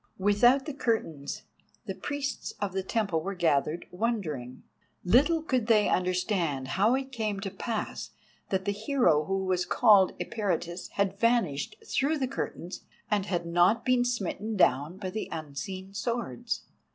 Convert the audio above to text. Without the curtains the priests of the temple were gathered wondering—little could they understand how it came to pass that the hero who was called Eperitus had vanished through the curtains and had not been smitten down by the unseen swords.